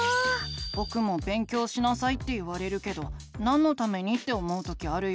ぼくも「勉強しなさい」って言われるけどなんのためにって思う時あるよ。